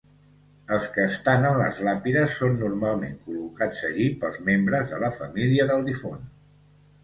Els que estan en les làpides són normalment col·locats allí pels membres de la família del difunt.